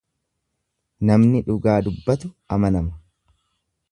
Namni dhugaa dubbatu amanama.